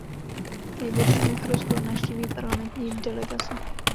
V nejbližších dnech Rusko navštíví parlamentní delegace.